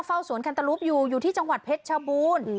เฝ้าสวนคันตรุปอยู่อยู่ที่จังหวัดเพชรชบูรณ์